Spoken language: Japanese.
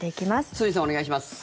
堤さん、お願いします。